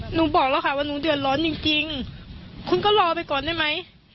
หนูบอกแล้วค่ะว่าหนูเดือดร้อนจริงคุณก็รอไปก่อนได้ไหม